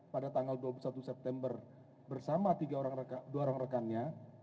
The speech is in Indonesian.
pada tanggal dua puluh satu september bersama dua orang rekannya